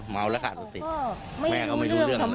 แม่เขาไม่รู้เรื่อง